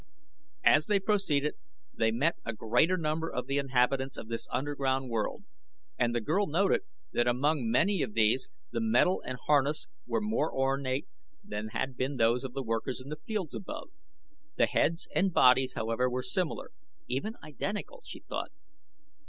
As they proceeded they met a greater number of the inhabitants of this underground world, and the girl noted that among many of these the metal and harness were more ornate than had been those of the workers in the fields above. The heads and bodies, however, were similar, even identical, she thought.